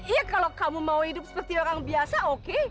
iya kalau kamu mau hidup seperti orang biasa oke